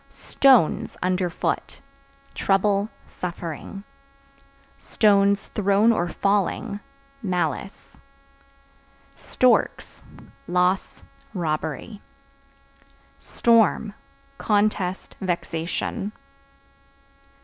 Stones (Under foot) trouble, suffering; (thrown or falling) malice. Storks Loss, robbery. Storm Contest, vexation.